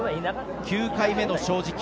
９回目の正直。